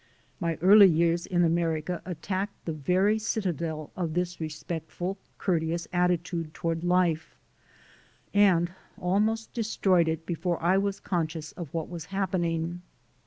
My early years in America attacked the very citadel of this respectful, courteous attitude toward life, and almost destroyed it before I was conscious of what was happening.